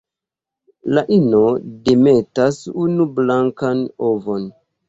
La ino demetas unu blankan ovon.